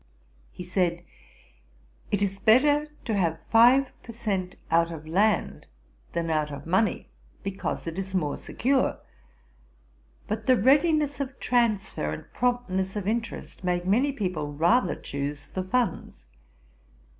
He said, 'It is better to have five per cent. out of land than out of money, because it is more secure; but the readiness of transfer, and promptness of interest, make many people rather choose the funds.